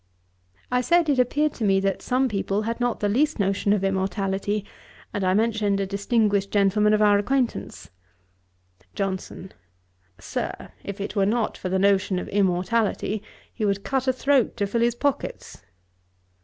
I said, it appeared to me that some people had not the least notion of immortality; and I mentioned a distinguished gentleman of our acquaintance. JOHNSON. 'Sir, if it were not for the notion of immortality, he would cut a throat to fill his pockets.'